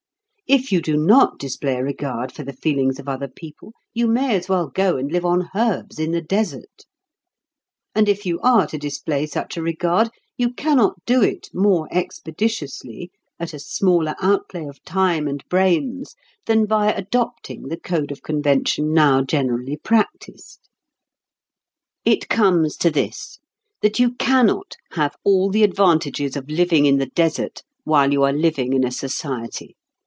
If you do not display a regard for the feelings of other people, you may as well go and live on herbs in the desert. And if you are to display such a regard you cannot do it more expeditiously, at a smaller outlay of time and brains, than by adopting the code of convention now generally practised. It comes to this that you cannot have all the advantages of living in the desert while you are living in a society.